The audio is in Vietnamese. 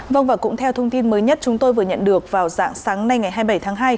vâng và cũng theo thông tin mới nhất chúng tôi vừa nhận được vào dạng sáng nay ngày hai mươi bảy tháng hai